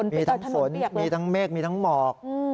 มีทั้งฝนมีทั้งเมฆมีทั้งหมอก